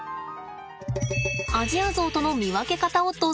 アジアゾウとの見分け方をどうぞ。